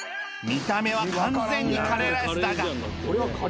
見た目は完全にカレーライスだが